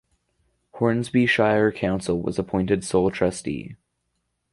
Hornsby Shire Council was appointed sole trustee.